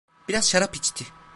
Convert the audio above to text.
Biraz şarap içti.